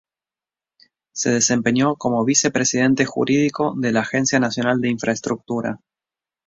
Se desempeñó como Vicepresidente Jurídico de la Agencia Nacional de Infraestructura.